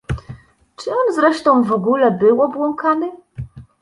"Czy on zresztą w ogóle był obłąkany?"